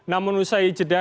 namun usai jeda